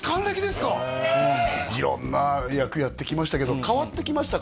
色んな役やってきましたけど変わってきましたか？